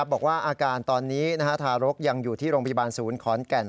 บอกว่าอาการตอนนี้ทารกยังอยู่ที่โรงพยาบาลศูนย์ขอนแก่น